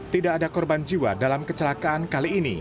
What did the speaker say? tidak ada korban jiwa dalam kecelakaan kali ini